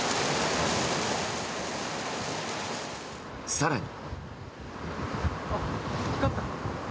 更に。